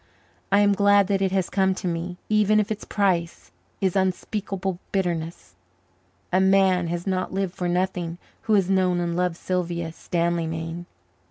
I am glad that it has come to me, even if its price is unspeakable bitterness. A man has not lived for nothing who has known and loved Sylvia Stanleymain.